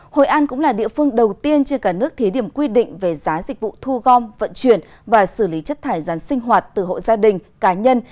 hội an cũng là địa phương đầu tiên trên cả nước thí điểm quy định về giá dịch vụ thu gom vận chuyển và xử lý chất thải rán sinh hoạt từ hộ gia đình cá nhân